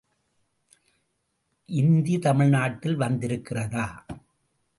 இந்தி தமிழ்நாட்டில் வந்திருக்கிறதா?